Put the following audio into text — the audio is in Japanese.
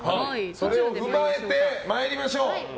それを踏まえて参りましょう。